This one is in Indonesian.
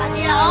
makasih ya om